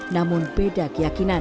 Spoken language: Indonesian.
namun beda keyakinan